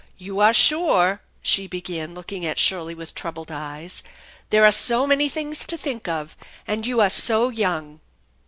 "You are sure," she began, looking at Shirley with troubled eyes. " There are so many things to think of, and you are so young."